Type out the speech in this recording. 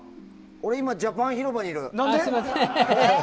俺は今、ジャパン広場にいる。